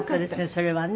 それはね。